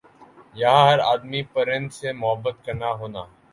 یَہاں ہَر آدمی پرند سے محبت کرنا ہونا ۔